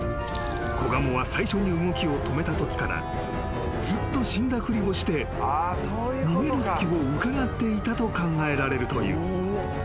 ［子ガモは最初に動きを止めたときからずっと死んだふりをして逃げる隙をうかがっていたと考えられるという］